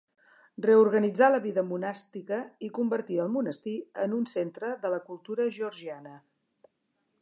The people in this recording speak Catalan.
Reorganitzà la vida monàstica i convertí el monestir en un centre de la cultura georgiana.